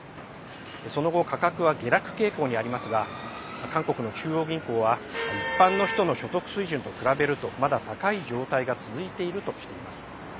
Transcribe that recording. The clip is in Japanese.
その後、価格は下落傾向にありますが韓国の中央銀行は一般の人の所得水準と比べるとまだ高い状態が続いているとしています。